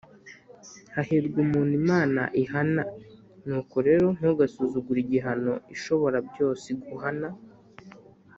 “hahirwa umuntu imana ihana, nuko rero ntugasuzugure igihano ishoborabyose iguhana